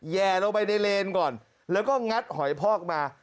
แห่ลงไปในเลนก่อนแล้วก็งัดหอยพอกมา